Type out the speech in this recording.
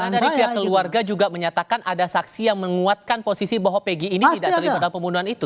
karena dari pihak keluarga juga menyatakan ada saksi yang menguatkan posisi bahwa pegi ini tidak terlibat dalam pembunuhan itu